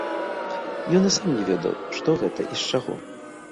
Ён і сам не ведаў, што гэта і з чаго.